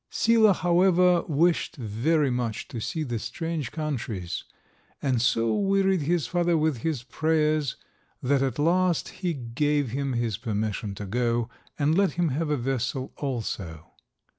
Sila, however, wished very much to see the strange countries, and so wearied his father with his prayers, that at last he gave him his permission to go, and let him have a vessel also.